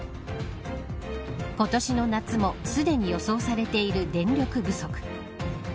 今年の夏もすでに予想されている電力不足。